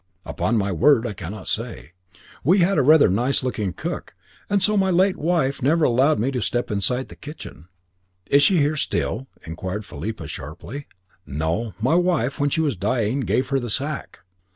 "Upon my word I cannot say. We had a rather nice looking cook, and so my late wife never allowed me to step inside the kitchen." "Is she here still?" inquired Philippa sharply. "No; my wife, when she was dying, gave her the sack."